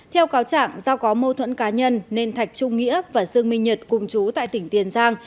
theo cáo chẳng do có mâu thuẫn cá nhân nên thạch trung nghĩa và dương minh nhật cùng chú tại tỉnh tiền giang